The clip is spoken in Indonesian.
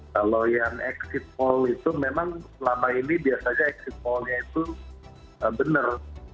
kalau yang exit mall itu memang selama ini biasanya exit mallnya itu benar